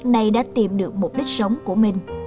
nay đã tìm được mục đích sống của mình